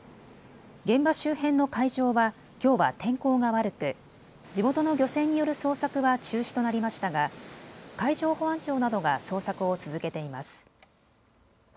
現場周辺の海上はきょうは天候が悪く、地元の漁船による捜索は中止となりましたが海上保安庁などが捜索を続けています。